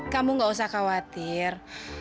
kamu gak usah khawatir